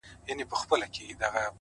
فقير نه يمه سوالگر دي اموخته کړم _